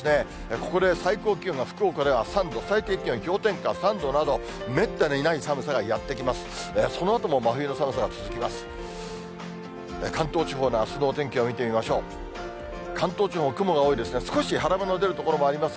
ここで最高気温が福岡では３度、最低気温氷点下３度など、めったにない寒さがやって来ます。